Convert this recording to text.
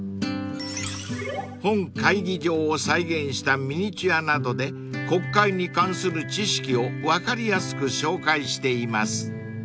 ［本会議場を再現したミニチュアなどで国会に関する知識を分かりやすく紹介しています］